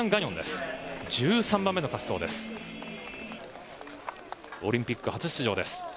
オリンピック初出場です。